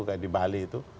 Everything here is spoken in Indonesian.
kayak di bali itu